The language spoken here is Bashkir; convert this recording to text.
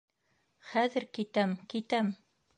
Хәҙер китәм, китәм!